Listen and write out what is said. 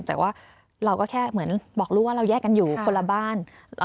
แต่ว่าเราก็แค่เหมือนบอกลูกว่าเราแยกกันอยู่คนละบ้าน